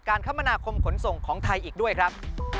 คมนาคมขนส่งของไทยอีกด้วยครับ